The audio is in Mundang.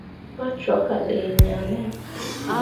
Pa cwakke a dai ŋaa me.